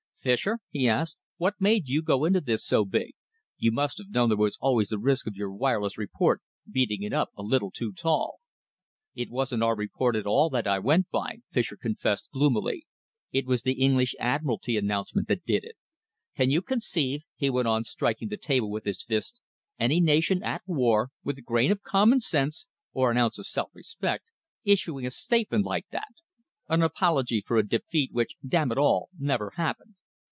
"Fischer," he asked, "what made you go into this so big? You must have known there was always the risk of your wireless report beating it up a little too tall." "It wasn't our report at all that I went by," Fischer confessed gloomily. "It was the English Admiralty announcement that did it. Can you conceive," he went on, striking the table with his fist, "any nation at war, with a grain of common sense or an ounce of self respect, issuing a statement like that? an apology for a defeat which, damn it all, never happened!